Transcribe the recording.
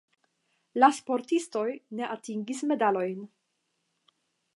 La sportistoj ne atingis medalojn.